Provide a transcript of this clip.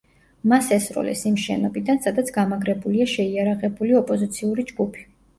მას ესროლეს იმ შენობიდან, სადაც გამაგრებულია შეირაღებული ოპოზიციური ჯგუფი.